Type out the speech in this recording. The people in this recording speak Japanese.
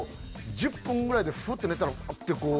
１０分ぐらいで、ふっと寝たら、くってこう。